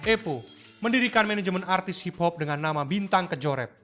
epo mendirikan manajemen artis hip hop dengan nama bintang kejorep